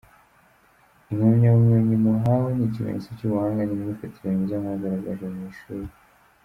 Impamyabumenyi muhawe ni ikimenyetso cy’ubuhanga n’imyifatire myiza mwagaragaje mu ishuri.